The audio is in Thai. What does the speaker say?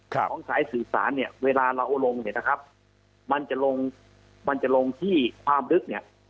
ของสายสื่อสารเนี่ยเวลาเราลงเนี่ยนะครับมันจะลงมันจะลงที่ความลึกเนี่ย